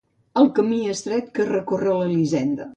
El camí estret que recorre l'Elisenda.